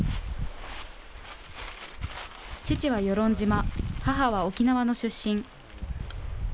父は与論島、母は沖縄の出身。